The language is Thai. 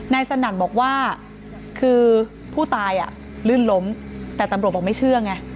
สนั่นบอกว่าคือผู้ตายลื่นล้มแต่ตำรวจบอกไม่เชื่อไง